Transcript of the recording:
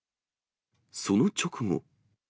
その直後。